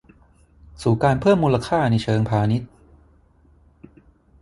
สู่การเพิ่มมูลค่าในเชิงพาณิชย์